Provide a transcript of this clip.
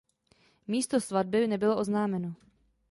Místo svatby nebylo oznámeno.